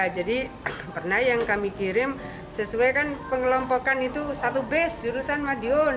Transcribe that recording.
jadi pernah yang kami kirim sesuai kan pengelompokan itu satu base jurusan